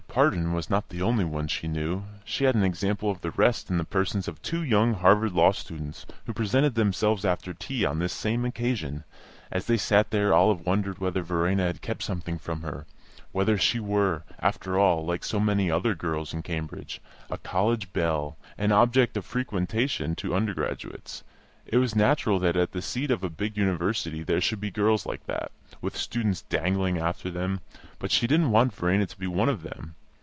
Pardon was not the only one she knew; she had an example of the rest in the persons of two young Harvard law students, who presented themselves after tea on this same occasion. As they sat there Olive wondered whether Verena had kept something from her, whether she were, after all (like so many other girls in Cambridge), a college "belle," an object of frequentation to undergraduates. It was natural that at the seat of a big university there should be girls like that, with students dangling after them, but she didn't want Verena to be one of them.